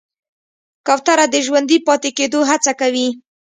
کوتره د ژوندي پاتې کېدو هڅه کوي.